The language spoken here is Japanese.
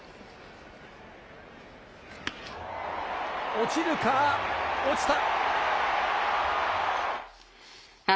落ちるか、落ちた。